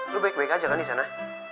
lu baik baik aja kan di sana